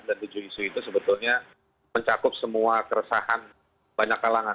dan tujuh isu itu sebetulnya mencakup semua keresahan banyak kalangan